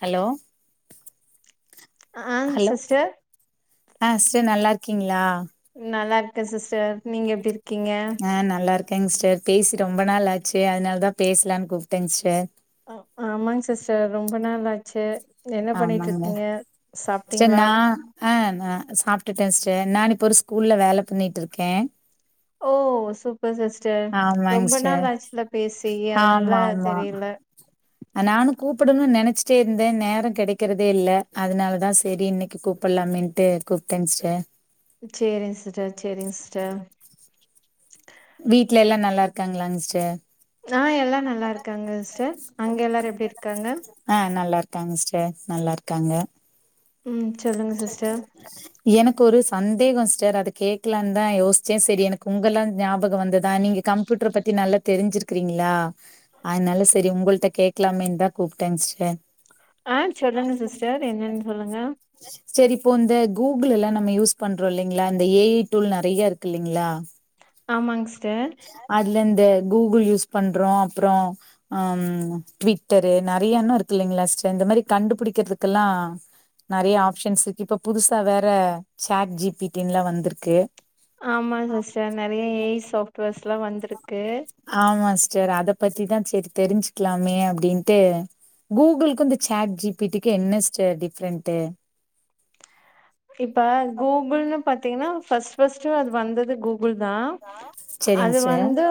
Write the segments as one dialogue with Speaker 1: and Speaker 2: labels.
Speaker 1: Hello
Speaker 2: ஆ
Speaker 1: hello
Speaker 2: sister
Speaker 1: ஆ sister நல்லா இருக்கீங்களா
Speaker 2: நல்லா இருக்கே சிஸ்டர் நீங்க எப்டி இருக்கீங்க
Speaker 1: ஆ நல்லா இருக் கே சிஸ்டர் பேசி ரொம்ப நாள் ஆச்சு அதனால தா பேசலாம்னு கூப்பிட்டேங்க சிஸ்டர்
Speaker 2: ஆமாங்க சிஸ்டர் ரொம்ப நாள் ஆச்சு என்ன பண்ணிட்டு
Speaker 1: ஆமாங்க
Speaker 2: இருக்கீங்க
Speaker 1: சிஸ்டர்
Speaker 2: சாப்ட்டீங்களா
Speaker 1: நா ஆ நா சாப்ட்டுட்டே சிஸ்டர் நா இப்போ ஒரு ஸ்கூல்ல வேல பண்ணிட்டு இருக்கே
Speaker 2: ஓ சூப்பர் சிஸ்டர்
Speaker 1: ஆமாங்க
Speaker 2: ரொம்ப
Speaker 1: சிஸ்டர்
Speaker 2: நாள் ஆச்சில பேசி அதனால
Speaker 1: ஆமா ஆமா
Speaker 2: தெரில
Speaker 1: நானு கூப்பிடணும்னு நினைச்சிட்டே இருந்தே நேரோ கிடைக்கிறதே இல்ல அதனாலதா சேரி இன்னைக்கு கூப் பல்லாமின்ட்டு கூப்பிட்ட சிஸ்டர்
Speaker 2: சேரிங்க சிஸ்டர் சேரிங்க சிஸ்டர்
Speaker 1: வீட்ல எல்லா நல்லா இருக்காங்களா சிஸ்டர்
Speaker 2: ஆ எல்லா நல்லா இருக்காங்க சிஸ்டர் அங்க எல்லாரு எப்டி இருக்காங்க
Speaker 1: ஆ நல்லா இருக்காங்க சிஸ்டர் நல்லா இருக்காங்க
Speaker 2: ம் சொல்லுங்க சிஸ்டர்
Speaker 1: எனக்கு ஒரு சந்தேகோ சிஸ்டர் அத கேக்கலாம்னு தா யோசிச்சே சேரி எனக்கு உங்கல்லா ஞாபகம் வந்துதா நீங்க கம்யூட்டர் பத்தி நல்ல தெரிஞ்சிருக்கிறீங்களா அதனால சேரி உங்கள்கிட்ட கேட்கலாமேதா கூப்பிட்டேங்க சிஸ்டர்
Speaker 2: ஆ சொல்லுங்க சிஸ்டர் என்னன்னு சொல்லுங்க
Speaker 1: செரி இப்போ இந்த கூகுள் எல்லா நம்ம யூஸ் பண்றோ இல்லைங்களா இந்த ஏ ஐ டூல் நெறைய இருக்கு இல்லலைங்களா
Speaker 2: ஆமாங் சிஸ்டர்
Speaker 1: அதுல இந்த கூகுள் யூஸ் பண்றோ அப்பறோ ம் ட்விட்டரு நெறைய இன்னு இருக்கு இல்லைங்களா சிஸ்டர் இந்த மாதிரி கண்டுபிடிக்கிறதுக்குல்லா நெறைய ஆப்ஷன்ஸ் இருக்கு இப்ப புதுசா வேற சேட் ஜிபிடின்லா வந்திருக்கு
Speaker 2: ஆமா சிஸ்டர் நெறைய ஏ ஐ சாஃப்ட்வேர்ஸ்லா வந்திருக்கு
Speaker 1: ஆமா சிஸ்டர் அத பத்திதா சேரி தெரிஞ்சுக்கலாமே அப்டின்ட்டு கூகுள்க்கு இந்த சேட் ஜிபிடிக்கு என்ன சிஸ்டர் டிஃப்ரெண்ட்டு
Speaker 2: இப்ப கூகுள்னு பாத்தீங்கன்னா ஃபர்ஸ்ட் ஃபர்ஸ்ட் அது வந்தது கூ குள்தா
Speaker 1: செரிங்க
Speaker 2: அது
Speaker 1: சிஸ்டர்
Speaker 2: வந்து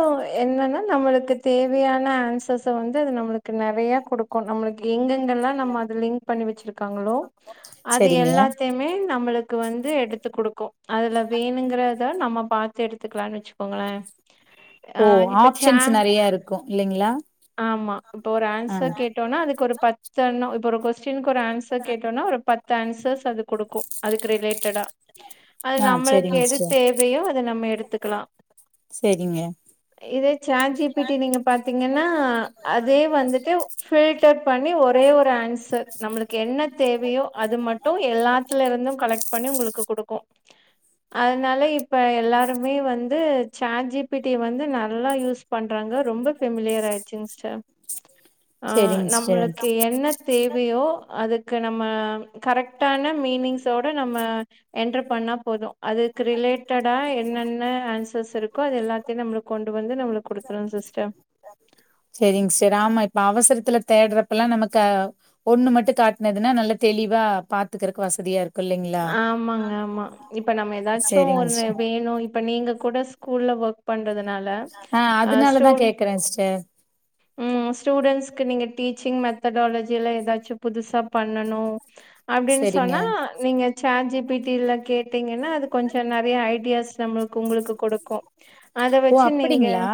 Speaker 2: என்னன்னா நம்மளுக்கு தேவையான ஆன்சர்ஸ வந்து அது நம்மளுக்கு நெறைய குடுக் கு நம்மளுக்கு எங்கெங்கல்லா நம்ம அத லிங்க் பண்ணி வச்சிருக்காங்களோ அது
Speaker 1: செரிங்க
Speaker 2: எல்லாத்தயுமே நம்மளுக்கு வந்து எடுத்து குடுக்கு அதுல வேணுங்கறத நம்ம பாத்து எடுத்துக்கலானு வச்சுக்கோங்களே
Speaker 1: ஓ
Speaker 2: ஆ இப்ப சேட்
Speaker 1: ஆப்ஷன்ஸ்ஸு நெறைய இருக்கு இல்லைங்ளா
Speaker 2: ஆமா இப்ப ஒரு ஆன்சர் கேட்டோம்னா அதுக்கு ஒரு பத்தெண்ணோ இப்ப ஒரு கொஸ் டின்க்கு ஒரு அன்சர் கேட்டோனா ஒரு பத்து ஆன்சர்ஸ்ஸு அது குடுக்கு அதுக்கு ரிலேட்டடா அது
Speaker 1: ஆ
Speaker 2: நம்மளுக்கு
Speaker 1: செரிங்க
Speaker 2: எது
Speaker 1: சிஸ்டர்
Speaker 2: தேவயோ அத நம்ம எடுத்துக்கலா
Speaker 1: நீங்க
Speaker 2: இதே சாட் ஜிபிட்டி நீங்க பாத்தீங்கன்னா அதே வந்துட்டு ஃபில்டர் பண்ணி ஒரே ஒரு ஆன்சர் நம்மளுக்கு என்ன தேவயோ அது மட்டு எல்லாத் துலருந்து கலெக்ட் பண்ணி உங்களுக்கு குடுக்கு அதனால இப்ப எல்லாருமே வந்து சாட் ஜிபிடி வந்து நல்லா யூஸ் பண்றாங்க ரொம்ப ஃபெமிலியர் ஆய்டுச்சுங்க சிஸ்டர் ஆ
Speaker 1: செரிங் சிஸ்டர்
Speaker 2: நம்மளுக்கு என்ன தேவையோ அதுக்கு நம்ம கரெக்டான மீனிங்ஸோட நம்ம என்டர் பண்ணா போது அதுக்கு ரிலேட்டடா என்னென்ன ஆன்சர்ஸ்ஸு இருக்கோ அது எல்லாத்யு நம்மளுக்கு கொண் டு வந்து நம்மளுக் குடுத்துரு சிஸ்டர்
Speaker 1: செரிங் சிஸ்டர் ஆமா இப்ப அவசரத்துல தேடுறப்பல்லா நமக்கு ஆ ஒண்ணு மட்டு காட்னதுன்னா நல்லா தெளிவா பாத்துக்கறக்கு வசதியா இருக்கு
Speaker 2: ஆமாங்க ஆமா இப்ப நம்ம எதாச்சு
Speaker 1: சரிங்க
Speaker 2: ஒண்ணு
Speaker 1: சிஸ்டர்.
Speaker 2: வேணு இப் இப்ப நீங்க கூட ஸ்கூல்ல ஒர்க் பண்றதுனால ஆ ஸ்டோன்
Speaker 1: வக்கறே சிஸ்டர்
Speaker 2: ம் ஸ்டூடென்ட்ஸ்ஸுக்கு நீங்க டீச்சிங் மெத்தடாலஜி எல்லா எதாச்சு புதுசா பண்ணணு அப்டின்
Speaker 1: சரிங்க.
Speaker 2: சொன்னா நீங்க சாட் ஜிபீட்டில கே ட்டீங்கன்னா அது கொஞ்ச நெறைய ஐடியாஸ்ஸு நம்ளு க்கு உங்களுக்கு குடுக்கு அத
Speaker 1: ஓ
Speaker 2: வச்சு நீங்க
Speaker 1: அப்படிங்களா?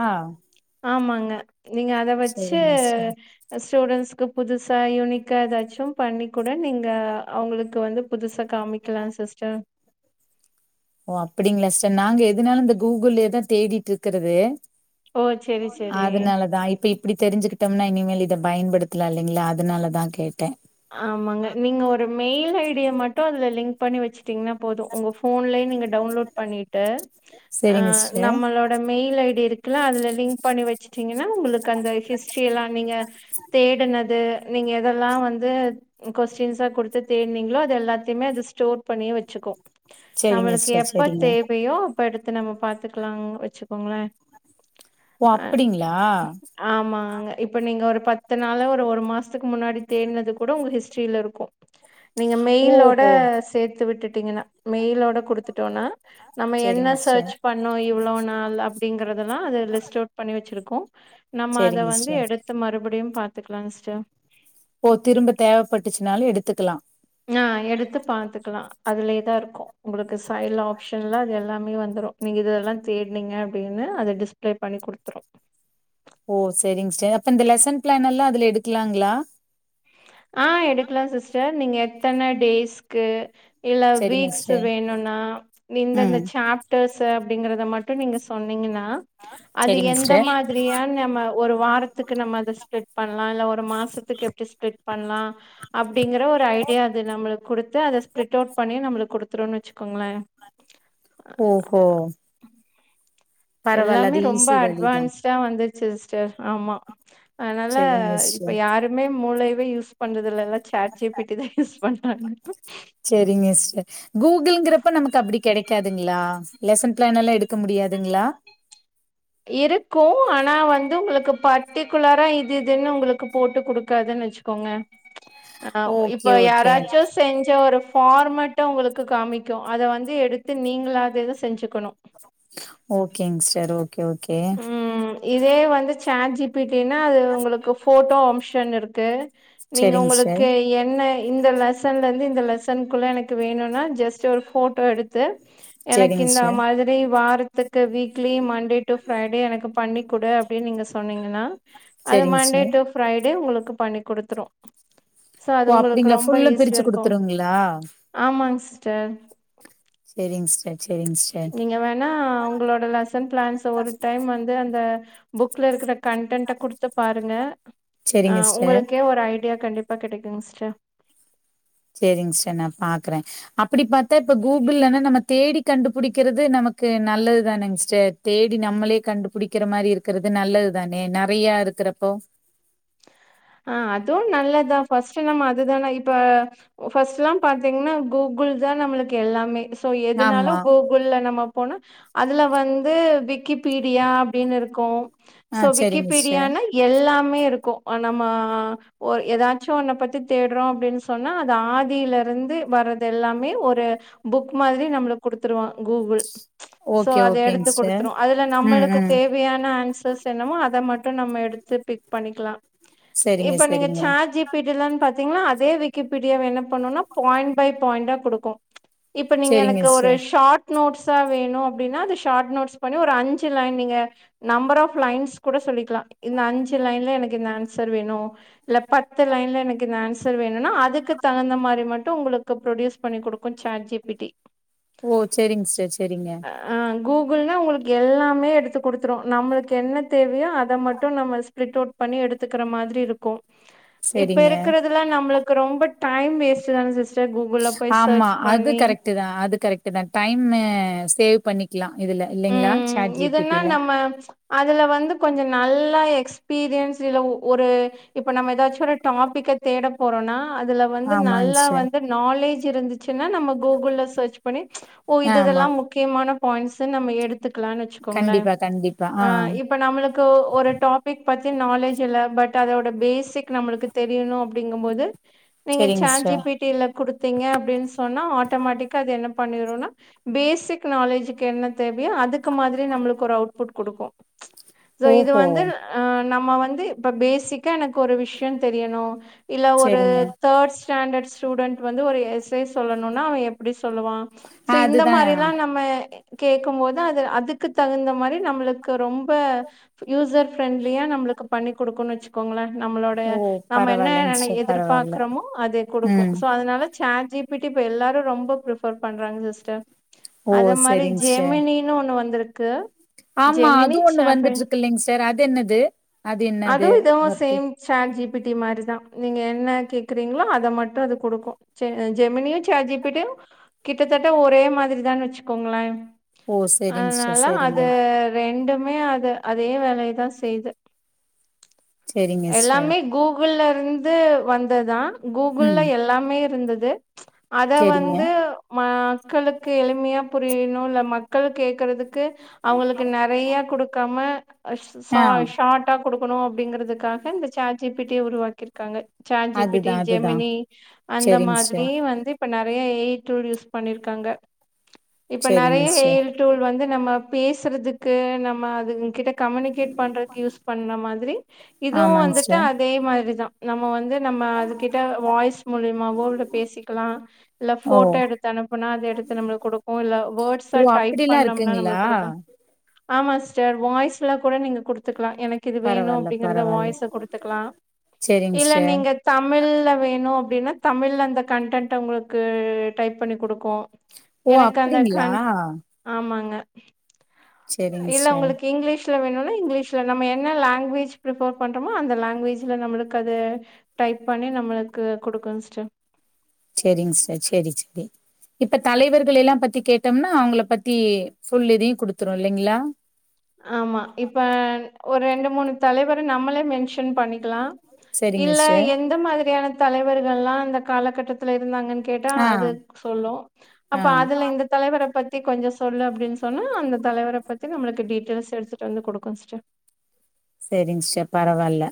Speaker 2: ஆமாங்க நீங்க அத வச்சு
Speaker 1: சரிங்க சிஸ்டர்.
Speaker 2: அ ஸ்டூடெண்ட்ஸ்க்கு புதுசா யூனிக்கா ஏதாச்சு பண்ணி கூட நீங்க அவுங்களுக்கு வந்து புதுசா காமிக்கலா சிஸ்டர்
Speaker 1: ஓ அப்டிங்களா சிஸ்டர் நாங்க எதனாலு இந்த கூகுளயேதா தேடிட்ருக்கறது
Speaker 2: ஓ செரி செரி
Speaker 1: அதனாலதா இப்ப இ ப்டி தெரிஞ்சுக்கிட்டோம்னா இனிமேல் இத பயன்படுத்தலா இல்லைங்களா அதனாலதா கேட்டே
Speaker 2: ஆமாங்க நீங்க ஒரு மெயில் ஐடிய மட்டு அதுல லிங்க் பண்ணி வச்சு ட்டிங்கனா போது உங்க ஃபோன்லயே நீங்க டவுன்லோட் பண்ணிட்டு அ
Speaker 1: சரிங்க சிஸ்டர்.
Speaker 2: நம்மளோட மெயில் ஐ டி இருக்குல அதுல லிங்க் பண்ணி வச்சுட்டீங்கன்னா உங்களு அந்த ஹிஸ்ட்ரி எல்லா நீங்க தேடுனது நீங்க எதெல்லா வந்து வந்து கொஸ்டின்ஸா குடுத்து தேடினீங்களோ அது எல்லாத்தையுமே அது ஸ்டோர் பண்ணி வச்சுக்கு
Speaker 1: சரிங்க
Speaker 2: நம்மளுக்கு
Speaker 1: சிஸ்டர்
Speaker 2: எப்ப
Speaker 1: சரிங்க.
Speaker 2: தேவையோ அப்ப எடுத்து நம்ம பாத்துக்கலா வச்சுக்கோங்களே
Speaker 1: ஓ
Speaker 2: ஆ
Speaker 1: அப்டிங்களா
Speaker 2: ஆமாங்க இப்ப நீங்க ஒரு பத்து நாளா ஒரு மாசத்துக்கு முன்னாடி தேட்னது கூட உங்க ஹிஸ்ட்ரியில இருக்கு நீங்க மெயிலோட
Speaker 1: ஓஹோ!
Speaker 2: சேத்து விட்டுட்டீங்கன்னா மெயிலோட குடுத் குடுத்டோம்னா நம்ம என்ன
Speaker 1: சேரிங்க சிஸ்டர்
Speaker 2: சர்ச் பண்ணோ இவ்ளவு நாள் அப்ப அப்டிங்கிறதுதல்லா அது ரெஸ்ட் அவுட்ண்ணி வச்சிருக்கு நம்ம அத
Speaker 1: சேரிங்க
Speaker 2: வந்து
Speaker 1: சிஸ்டர்
Speaker 2: எடுத்த மறுபடியு பாத்துக்கலா சிஸ்டர்
Speaker 1: ஒ திரும்ப தேவைப்பட்டுச்சுனாலு எடுத்துக்கலா
Speaker 2: ந எடுத்து பாத்துக்கலா அதுலேயே தா இருக்கு உங்களுக்கு சைட் ஆப்ஷன்ல அது எல்லாமே வந்துடு நீங்க இதெல்லா தேடினீங்க அப்டின்னு அத டிஸ்பிளே பண்ணி குடுத்துரு
Speaker 1: ஓ சரிங்க சிஸ்டர் அப்ப இந்த லெசன் பிளான் எல்லா அதுல எடுக்கலாங்களா
Speaker 2: அ எடுக்கலா சிஸ்டர் நீங்க எத்தன டேஸ்க்கு இல்ல
Speaker 1: சேரிங்க
Speaker 2: வீக்ஸ்
Speaker 1: சிஸ்டர்
Speaker 2: வேணும்னா இந்தந்த
Speaker 1: ம்
Speaker 2: சாப் [unintelligible] அப்டிங்கறத மட்டு நீங்க சொன்னீங்கன்னா அது
Speaker 1: சேரிங்க
Speaker 2: எந்த
Speaker 1: சிஸ்டர்
Speaker 2: மாதிரியான் நம்ம ஒரு வார் த்துக்கு நம்ம அத ஸ்பிட் பண்ணலா இல்ல ஒரு மாசத்துக்கு எப்டி ஸ்பிட் பண்ணலா அப்டிங்கற ஒரு ஐடியா அது நம்மளுக்கு குடுத்து அத ஸ்ப்ரிட் அவுட் பண்ணி நம்மளுக்கு குடுத்துருனு வச்சுக்கோங்களே
Speaker 1: ஓஹோ பரவால்ல
Speaker 2: எல்லாமே
Speaker 1: அது
Speaker 2: ரொம்ப
Speaker 1: ஈஸி வழிதா
Speaker 2: அட்வான்ஸ்டா வந்துருச்சு சிஸ்டர் ஆமா அதுனால
Speaker 1: சேரிங்க
Speaker 2: இப்போ
Speaker 1: சிஸ்டர்
Speaker 2: யாரு மே மூளைவே யூஸ் பண்றது இல்லல்ல சாட் ஜி பி ட்டி தா யூஸ் பண்றாங்க
Speaker 1: சரிங்க சிஸ்டர் கூகுள்ங்கிறப்ப நமக்கு அப்டி கெடைக்காது [unintelligible] லெசன் பிளான் எல்லா எடுக்க முடியாதுங்களா
Speaker 2: இருக்கு ஆனா வந்து உங்களுக்கு பர்ட்டிகுலரா இது இதுன்னு உங்களுக்கு போட்டு குடுக்க இருக்கது வச்சுக்கோங்க அ
Speaker 1: ஓகே
Speaker 2: இப்ப
Speaker 1: ஓகே
Speaker 2: யாராச்சு செஞ்ச ஒரு ஃபார்மட்ட உங்களுக்கு காமிக்கு அத வந்து எடுத்து நீங்களது எத செஞ்சுக்கணு
Speaker 1: ஓகேங்க சிஸ்டர் ஓகே ஓகே
Speaker 2: ம் இதே வந்து சேட் ஜிபிட்டினா அது உங்களுக்கு போட்டோ ஆப்ஷன் இருக்கு நீங்க
Speaker 1: செரிங்க சிஸ்டர்
Speaker 2: உங்களுக்கு என்ன இந்த லெசன்ல இருந்து இந்த லெசனுக்குள்ள எனக்கு வேணும்னா ஜஸ்ட் ஒரு போட்டோ எடுத்து து எனக்கு
Speaker 1: செரிங்க
Speaker 2: இந்த
Speaker 1: சிஸ்டர்
Speaker 2: மாதிரி வாரத்துக்கு வீக்லி மண்டேண டு பிரைடே எனக்கு பண்ணிக்குடு அப்டின்னு நீங்க சொன்னீங்கன்னா அது
Speaker 1: செரிங்க
Speaker 2: மண்டே
Speaker 1: சிஸ்டர்
Speaker 2: டூ ஃப்ரைடே உங்களுக்கு பண்ணி குடுத்துரு சோ அது
Speaker 1: ஓ
Speaker 2: உங்களுக்கு
Speaker 1: அப்டிங்களா
Speaker 2: ரொம்ப
Speaker 1: ஃபுல்லா
Speaker 2: ஈஸியா
Speaker 1: பிரிச்சு
Speaker 2: இருக்கு
Speaker 1: குடுத்துருங்களா
Speaker 2: ஆமாங்க சிஸ்டர்
Speaker 1: சேரிங்க சிஸ்டர் சேரிங்க சிஸ்டர்
Speaker 2: நீங்க வேணா உங்களோட லெசன் பிளான்ஸ் ஒரு டைம் வந்து அந்த புக்ல இருக்க கண்டென்ட குடுத்து பாருங்க அ
Speaker 1: செரிங்க சிஸ்டர்
Speaker 2: உங்களுக்கே ஒரு ஐடியா கண்டிப்பா கிடைக்குங்க சிஸ்டர்
Speaker 1: சேரிங்க சிஸ்டர் நா பாக்குறே அப்டி பாத்தா இப்ப கூகுள்னா நம்ம தேடி கண்டுபிடிக்கிறது நமக்கு நல்லதுதானங்க சிஸ்டர் தேடி நம்மளே கண்டுபிடிக்கிற மாரி இருக்கிறது நல்லது தானே நெறையா இருக்கிறப்போ
Speaker 2: அ அதுவு நல்லதா ஃபஸ்ட் நம்ம அதுதானே இப்ப ஃபஸ்ட் எல்லா பாத்தீங்கன்னா கூகுள் தா நம்மளுக்கு எல்லாமே சோ எதுனாலு
Speaker 1: ஆமா
Speaker 2: கூ குள்ல நம்ம போனா அதுல வந்து விக்கிபீடியா அப்டின்னு இருக்கு சோ
Speaker 1: ஆ செரிங்க சிஸ்டர்
Speaker 2: விக்கிபீடியான்னா எல்லாமே இருக்கு ஆ நம்ம ஒரு ஏதாச்சு ஒன்ன பத்தி தேட்றோ அப்டின்னு சொன்னா அது ஆதிலருந்து வர்றது எல்லாமே ஒரு புக் மாதிரி நம்மளுக் குடுத்துருவா கூகுள் சோ
Speaker 1: ஓகே
Speaker 2: அது
Speaker 1: ஓகேங்
Speaker 2: எடுத்து
Speaker 1: சிஸ்டர்
Speaker 2: குடுத்துரு அதுல
Speaker 1: ம்
Speaker 2: நம்மளுக்கு
Speaker 1: ம்
Speaker 2: தேவையான ஆன்சர்ஸ் என்னமோ அத மட்டும் நம்ம எடுத்து பிக் பண்ணிக்கலா
Speaker 1: செரிங்க
Speaker 2: இப்ப நீங்க
Speaker 1: செரிங்க
Speaker 2: சாட் ஜி பி டி லனு பாத்தீங்கன்னா அதே விக்கிபீடியாவ என்ன பண்ணுன்னா பாயிண்ட் பை பாயிண்டா குடுக்கு இப்ப நீங்க
Speaker 1: செரிங்க
Speaker 2: எனக்கு ஒரு
Speaker 1: சிஸ்டர்
Speaker 2: ஷார்ட் நோட்ஸா வேணு அபடின்னா அது ஷார்ட் நோட்ஸ் பண்ணி ஒரு அஞ்சு லைன் நீங்க நம்பர் ஆஃப் லைன்ஸ் கூட சொல்லிக்கலா இந்த அஞ்சு லைன்ல எனக்கு இந்த ஆன்சர் வேணு இல்ல பத்து லைன்ல எனக்கு இந்த ஆன்சர் வேணுன்னா அதுக்கு தகுந்த மாரி மட்டு உங்களுக்கு ப்ரொடியூஸ் பண்ணிக் குடுக்கும் சாட் ஜி பி டி
Speaker 1: ஓ சேரிங்க ஸ்டர் சேரிங்க
Speaker 2: ஆ கூகுள்னா உங்களுக்கு எல்லாமே எடுத்து குடுத்துரு நம்மளுக்கு என்ன தேவையோ அத மட்டு நம்ம பிரிட்டவுட் பண்ணி எடுத் துக்கிற மாதிரி இருக்கு இப்ப
Speaker 1: செரிங்க
Speaker 2: இருக்கறதுலா நம்மளுக்கு ரொம்ப டைம் வேஸ்ட்டு தா சிஸ் டர் கூகுள போய் சர்ச் பண்ணி
Speaker 1: ட்டு தா அது கரெட்டு தா டைமு சேவ் பண்ணிக்கலா இதுல இல்லிங்களா
Speaker 2: ம் இதுன்னா நம்ம அதுல வந்து கொஞ்ச நல்லா எக்ஸ்பீரியன்ஸ் இல்ல ஒரு இப்ப நம்ம ஏதாச்சு ஒரு டாப்பிக்க தேடப் போறோன்னா அதுல வந்து
Speaker 1: ஆமாங்
Speaker 2: நல்லா
Speaker 1: சிஸ்டர்
Speaker 2: வந்து நாலேஜ் இருந்துச்சுன்னா நம்ம கூகுள்ல சர்ச் பண்ணி ஓ இது இதெல்லா
Speaker 1: ஆமா
Speaker 2: முக்கியமான பாயிண்ட்ஸுன் நம்ம எடுத்துக்கலானு வச்சுக்கோங்களே
Speaker 1: கண்டிப்பா கண்டிப்பா
Speaker 2: ஆ இப் ப நம்மளுக்கு ஒரு டாப்பிக் பத்தி நாலேஜ் இல்ல பட் அதோட பேசிக் நம்மளுக்கு தெரியுணு அப்டிங்கும் போது நீங்க
Speaker 1: செரிங்க
Speaker 2: சாட் ஜி
Speaker 1: சிஸ்டர்
Speaker 2: பி டில குடுத்தீங்க அப்டின்னு சொன்னா ஆட்டோமேட்டிக்கா அது என்ன பண்ணிடுன்னா பேசிக் நாலேஜுக்கு என்ன தேவையோ அதுக் கு மாதிரி நம்மளுக்கு ஒரு அவுட்புட் குடுக்கு சோ இது
Speaker 1: ஓஹோ
Speaker 2: வந்து ஆ நம்ம வந்து இப்ப பேசிக்கா எனக்கு ஒரு விஷய தெரியணு இல்ல ஒரு
Speaker 1: செரிங்க
Speaker 2: தேர்ட் ஸ்டாண்டர்ட் ஸ்டூடண்டட் வந்து ஒரு எஸ் ஏ சொல்லணுன்னா அவ எப்டி சொல்லுவா சோ இந்த
Speaker 1: அதுதா
Speaker 2: மாரில்லா நம்ம கேக்கும் போது அது அதுக்கு தகுந்த மாரி நம்மளுக்கு ரொம்ப யூசர் ஃப்ரெண்ட்லியா நம்மளுக்கு பண்ணி குடுக்குன்னு வச்சுக்கோங்களே நம்மளோடைய
Speaker 1: ஓ
Speaker 2: நம்ம என்ன
Speaker 1: பரவாயில்லைங்க
Speaker 2: நென
Speaker 1: சிஸ்டர் பரவாயில்ல
Speaker 2: எதிர்பார்க்குறோமோ அது குடுக்கு
Speaker 1: ம்
Speaker 2: சோ அதனால சாட் ஜி பி டி இப்ப எல்லாரு ரொம்ப பிரிஃபர் பண்றாங்க சிஸ்டர்
Speaker 1: ஓ
Speaker 2: அத மாரி
Speaker 1: செரிங்க சிஸ்டர்
Speaker 2: ஜெமினி னு ஒண்ணு வந்துருக்கு
Speaker 1: ஆமா அதுவு ஒண்ணு வந்துட்ருக்கு இல்லிங்க சார் அது என்னது அது என்னது
Speaker 2: அதுவு இதுவு
Speaker 1: work
Speaker 2: same chat G B D மாரிதா நீங்க என்ன கேக்குறீங்களோ அத மட்டும் அது குடுக்கு ஜெ ஜெமினியு சாட் ஜி பி டியு கிட்டத்தட்ட ஒரே மாதிரிதா வச்சுக்கோங்களே
Speaker 1: ஓ செரிங் சிஸ்டர்
Speaker 2: அதனால
Speaker 1: செரிங்க
Speaker 2: அது ரெண்டுமே அது அதே வேலையதா செய்து
Speaker 1: செரிங்க சிஸ்டர்
Speaker 2: எல்லாமே கூகுள்ல இருந்து வந்த தா
Speaker 1: ம்
Speaker 2: கூகுள்ல எல்லாமே இருந்துது அத
Speaker 1: செரிங்க
Speaker 2: வந்து மக்களுக்கு எளிமையா புரியணு இல்ல மக்கள் கேக்றதுக் கு அவுங்களுக்கு நெறைய குடுக்காம ஆ ச சாட் ட்டா கொடுக்கணு அப்டிங்குறதுகாக இந்த ஜாட் ஜி பி டி ய உருவாக்கிருக்காங்க ஜா ஜி பி டி
Speaker 1: அதுதா அதுதா
Speaker 2: ஜெமினி அந்த
Speaker 1: செரிங்
Speaker 2: மாதிரி
Speaker 1: சிஸ்டர்
Speaker 2: வந்து இப்ப நெறையா ஏய் டுடியூஸ் பண்ணிருக்காங்க இப்ப
Speaker 1: செரிங்க
Speaker 2: நெறையா ஏ ஐ
Speaker 1: சிஸ்டர்
Speaker 2: ரோல் வந்து நம்ம பேசுறதுக்கு நம்ம அதுங்க கிட்ட கம்யூனிகேட் பண்றதுக்கு யூஸ் பண்ண மாதிரி இதுவு
Speaker 1: ஆமாங்
Speaker 2: வந்துட்டு
Speaker 1: சிஸ்டர்
Speaker 2: அதே மாரிதா நம்ம வந்து நம்ம அதுக்கிட்ட வாய்ஸ் மூலியமாவோல்ல பேசிக்கலா இல்ல
Speaker 1: ஓ
Speaker 2: போட்டோ எடுத்து அனுப்புனா அது எடுத்து நம்மளுக்கு குடுக்கு இல்ல வேர்ட்ஸ்ஸா
Speaker 1: ஓ
Speaker 2: டைப்
Speaker 1: அப்டிலா
Speaker 2: பண்ணோம்னா
Speaker 1: இருக்குங்ளா
Speaker 2: நம்மளுக் குடுக்க ஆமா சிஸ்டர் வாய்ஸுல்லா கூட நீங்க குடுத்துக்கலா எனக் கு இது வேணு
Speaker 1: பரவால்ல
Speaker 2: அப்டிங்கறத
Speaker 1: பரவால்ல
Speaker 2: வாய்ஸா குடுத்துக்கலா
Speaker 1: செரிங்
Speaker 2: இல்ல
Speaker 1: சிஸ்டர்
Speaker 2: நீங்க தமிழ்ல வேணு அப்டின்னா தமிழ்ல அந்த கன்டென்ட்டா உங்களுக்கு டைப் பண்ணி குடுக்கு
Speaker 1: ஓ
Speaker 2: எனக்கு அந்த
Speaker 1: அப்டிங்ளா
Speaker 2: கண் ஆமாங்க
Speaker 1: செரிங்
Speaker 2: இல்ல
Speaker 1: சிஸ்டர்
Speaker 2: உங்களுக்கு இங்கிலீஷ் ல வேணும்னா இங்கிலீஷ்ல நம்ம என்ன லாங்குவேஜ் ஃப்ரிப்பர் பண்றோமோ அந்த லாங்குவேஜ்ல நம்மளுக்கு அது டைப் பண்ணி நம்மளுக்கு குடுக்கு சிஸ்டர்
Speaker 1: செரிங்க சிஸ்சர் செரி செரி இப்ப தலைவர்கள் எல்லா பத்தி கேட்டோம்னா அவுங்கள பத்தி ஃபுல் இதையு குடுத்துரு இல்லைங்ளா
Speaker 2: ஆமா இப்ப ஒரு ரெண்டு மூணு தலைவர நம்மளே மென்ஷன் பண்ணிக்கலா
Speaker 1: செரிங்க
Speaker 2: இல்ல
Speaker 1: சிஸ்டர்
Speaker 2: எந்த மாதிரியான தலைவர்களெல்லா அந்த காலகட்டத் துல இருந்தாங்கன்னு கேட்டா
Speaker 1: ஆ
Speaker 2: அது சொல்லு
Speaker 1: ஆ
Speaker 2: அப்ப அதுல இந்த தலைவர பத் தி கொஞ்சோ சொல்லு அப்டின்னு சொன்னா அந்த தலைவர பத்தி நம்மளுக்கு டீட்டெயில்ஸ் எடுத்துட்டு வந்து குடுக்கு சிஸ்டர்
Speaker 1: செரிங்க சிஸ்டர் பரவால்ல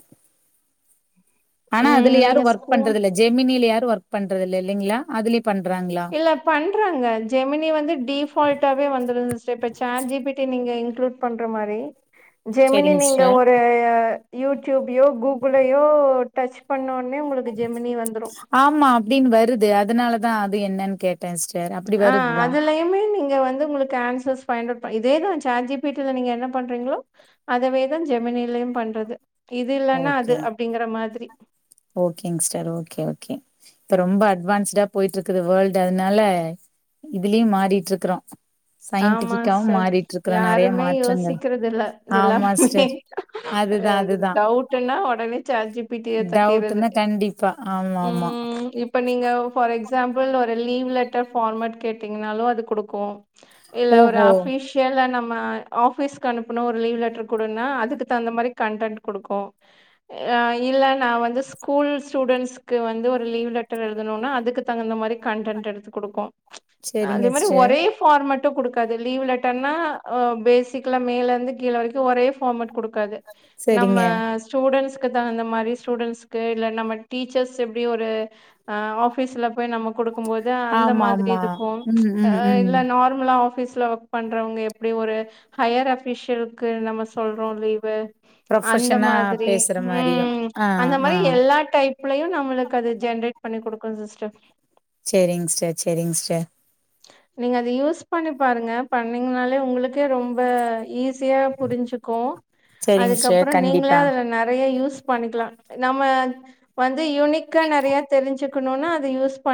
Speaker 1: ஆனா அதுல
Speaker 2: ம்
Speaker 1: யாரு
Speaker 2: நீங்க
Speaker 1: ஒர்க்
Speaker 2: ஸ்கூல்
Speaker 1: பண்றது இல்ல ஜெமினில யாரு ஒர்க் பண்றது இல்ல இல்லைங்களா அதுலயே பண்றாங்களா
Speaker 2: இல்ல பண்றாங்க ஜெமினி வந்து டிஃபால்டாவே வந்துடுது சிஸ்டர் இப்ப ஜாட் ஜி பி டி நீங்க இன்க்ளூட் பண்ற மாரி ஜெமினி
Speaker 1: சரிங்க
Speaker 2: நீங்க
Speaker 1: சிஸ்டர்
Speaker 2: ஒரு யூடியூபையோ கூகுளயோ டச் பண்ணோனே உங்களுக்கு ஜெமினி வந்துரு
Speaker 1: ஆமா அப்டின்னு வருது அதனால தா அது என்னனு கேட் டே சிஸ்டர் அப்
Speaker 2: ஆ அதுலயு யுமே நீங்க வந்து உங்களுக்கு ஆன்சர்ஸ் ஃபைண்ட் அட் இதேதா ஜாட் ஜி பி டி ல நீங்க என்ன பண்றீங்களோ அதவேதா ஜெமீனிலயு பண்றது இது இல்லன்னா அது
Speaker 1: ஓகே
Speaker 2: அப்டிங்கற மாதிரி
Speaker 1: ஓகேங்க சிஸ்டர் ஓகே ஓகே இப்ப ரொம்ப அட்வான்ஸ்டா போயிட்டு இருக்குது வேர்ல்டு அதனால இதுலயு மாறிட்ருக்குறோ
Speaker 2: ஆமா
Speaker 1: சயின்டிபிக்காவு
Speaker 2: சிஸ்டர்
Speaker 1: மாறிட்டு இருக்றோ நெறையா
Speaker 2: யாருமே
Speaker 1: மாற்றங்கள்
Speaker 2: யோசிக்கிறது இல்ல
Speaker 1: ஆமா
Speaker 2: எல்லாருமே
Speaker 1: சிஸ்டர் அதுதா அதுதா
Speaker 2: ட்டு நா உடனே ஜாட் ஜி பி டி ய தட்டிறது
Speaker 1: டவுட்னா கண்டிப்பா ஆமா ஆமா
Speaker 2: ம் இப்ப நீங்க ஃபார் எக்ஸாம்பிள் ஒரு லீவ் லெட்டர் ஃபார்மட் கேட்டீங்கனாலு அது குடுக்கு இல்ல ஒரு
Speaker 1: ஓஹோ
Speaker 2: அஃபிஷ் யேலா நம்ம ஆஃபிஸ்க்கு அனுப்பணு ஒரு லீவ் லெட்டர் குடுனா அதுக்கு தகுந்த மாரி கன்டன்ட் குடுக்கு ஆ இல்ல நா வந்து ஸ்கூல் ஸ்டூடெண்ட்ஸ்கு வந்து ஒரு லீவ் லெட்டர் எழுதனும்னா அதுக்கு தகுந்த மாரி கண்டன்ட் எடுத்து குடுக்கு அதே
Speaker 1: சரிங்க
Speaker 2: மாரி
Speaker 1: சிஸ்டர்
Speaker 2: ஒரே ஃபார்மட்டு குடுக்காது லீவ்லெட்டர்னா பேஸிக்கலா மேல இருந்து கீழ வரைக்கு ஒரே ஃபார்மேட் குடுக் க்காது நம்ம
Speaker 1: சரிங்க
Speaker 2: ஸ்டூடெண்ட்ஸ்கு தகுந்த மாரி ஸ்டூடெண்ட்ஸ்கு இல்ல நம்ம டீச்சர்ஸ் எப்டி ஒரு அ ஆஃபீஸ்ல போய் நம்ம குடுக்கும் போது அந்த
Speaker 1: ஆமா
Speaker 2: மாரி
Speaker 1: ஆமா
Speaker 2: இருக்கு
Speaker 1: ம்
Speaker 2: அ
Speaker 1: ம் ம்
Speaker 2: இல்ல நார்மலா ஆஃபீஸ்ல ஒர்க் பண்றவங்க எப்டி ஒரு ஹையர் அஃபிஷியலக்கு நம்ம சொல்றோ லீவு அந்த
Speaker 1: ப்ரொஃபஷனா
Speaker 2: மாதிரி
Speaker 1: பேசுற மாரியு
Speaker 2: ம்
Speaker 1: ஆ
Speaker 2: அந்த
Speaker 1: ஆ
Speaker 2: மாரி எல்லா டைப் லயு நம்மளுக்கு அது ஜென்ரேட் பண்ணி குடுக்கு சிஸ்டர்
Speaker 1: செரிங் சிஸ்டர் செரிங் சிஸ்டர்
Speaker 2: நீங்க அது யூஸ் பண்ணி பாருங்க பண்ணீங்கனாலே உங்களுக்கே ரொம்ப ஈஸ் ஸியா புரிஞ்சுக்கு
Speaker 1: சேரிங் சிஸ்டர்
Speaker 2: அதுக்கப்றோ நீங்களே
Speaker 1: கண்டிப்பா
Speaker 2: அதுல நெறைய யூஸ் பண்ணிக்கலா நம்ம வந்து யுனிக்கா நெறைய தெரிஞ்சுக்கணுனா அத யூஸ் பண்